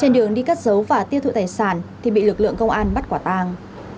trên đường đi cắt dấu và tiêu thụ tài sản thì bị lực lượng công an bắt quả tàng